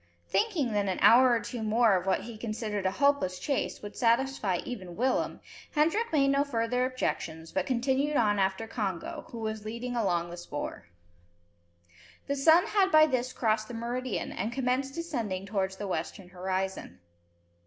Thinking that an hour or two more of what he considered a hopeless chase, would satisfy even Willem, Hendrik made no further objections, but continued on after Congo, who was leading along the spoor. The sun had by this crossed the meridian, and commenced descending towards the western horizon.